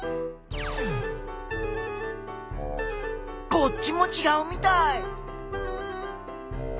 こっちもちがうみたい！